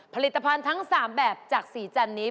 ผลิตภัณฑ์ทั้ง๓แบบจากสีจันนี้